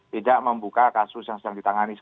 tidak membuka kasus yang sedang ditangani